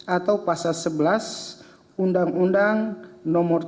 atau pasal sebelas undang undang nomor tiga puluh satu